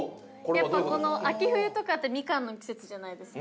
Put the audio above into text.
やっぱり秋冬とかって、みかんの季節じゃないですか。